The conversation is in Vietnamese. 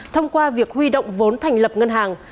thông qua việc huy động vốn thành lập ngân hàng